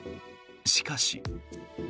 しかし。